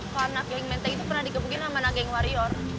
karena geng menteng itu pernah digebukin sama anak geng warrior